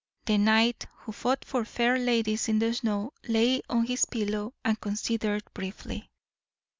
The knight who fought for fair ladies in the snow lay on his pillow and considered briefly.